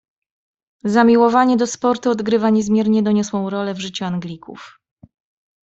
"Zamiłowanie do sportu odgrywa niezmiernie doniosłą rolę w życiu Anglików."